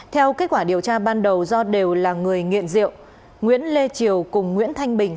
theo kết quả điều tra ban đầu do đều là người nghiện rượu nguyễn lê triều cùng nguyễn thanh bình